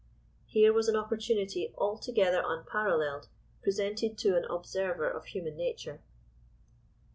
Here was an opportunity altogether unparalleled, presented to "an observer of human nature."